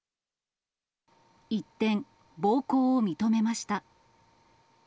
一転、暴行を認めました。